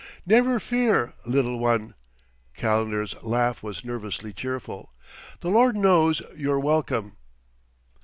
"Never fear, little one!" Calendar's laugh was nervously cheerful. "The Lord knows you're welcome."